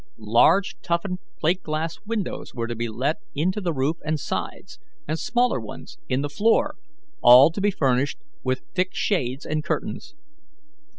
Large, toughened plate glass windows were to be let into the roof and sides, and smaller ones in the floor, all to be furnished with thick shades and curtains.